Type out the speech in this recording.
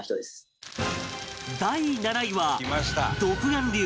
第７位は独眼竜